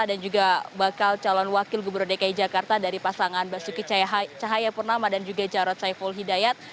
dan juga bakal calon wakil gubernur dki jakarta dari pasangan basuki cahaya purnama dan juga jarot saiful hidayat